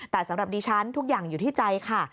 แต่สำหรับดิฉันทุกอย่างอยู่ที่ใจค่ะ